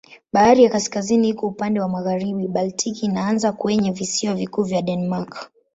Bahari ya Kaskazini iko upande wa magharibi, Baltiki inaanza kwenye visiwa vikuu vya Denmark.